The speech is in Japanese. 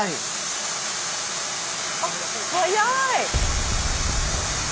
あっ速い！